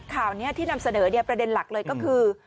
ข่าวนี้ที่นำเสนอประเด็นหลักเลยก็คือ